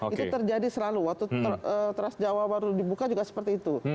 itu terjadi selalu waktu trans jawa baru dibuka juga seperti itu